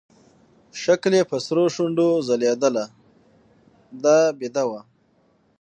ښکل يې په سرو شونډو ځلېدله دا بېده وه.